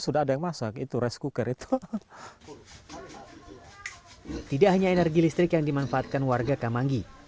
sudah ada yang masak itu rice cooker itu tidak hanya energi listrik yang dimanfaatkan warga kamanggi